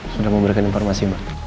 sudah memberikan informasi mbak